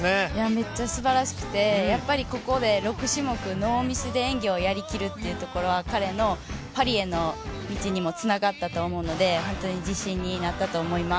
めっちゃすばらしくて、ここで６種目ノーミスで演技をやりきるというのは彼のパリへの道にもつながったと思うので本当に自信になったと思います。